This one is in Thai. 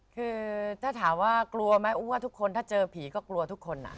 คือถ้าถามว่ากลัวไหมอุ้มว่าทุกคนถ้าเจอผีก็กลัวทุกคน